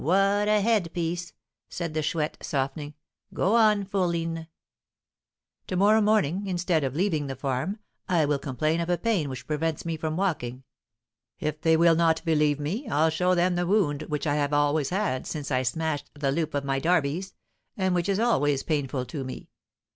What a head piece!" said the Chouette, softening. "Go on, fourline." "To morrow morning, instead of leaving the farm, I will complain of a pain which prevents me from walking. If they will not believe me, I'll show them the wound which I have always had since I smashed the 'loop of my darbies,' and which is always painful to me.